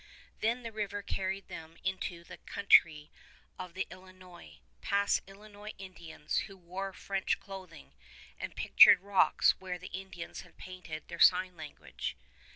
Then the river carried them into the country of the Illinois, past Illinois Indians who wore French clothing, and pictured rocks where the Indians had painted their sign language.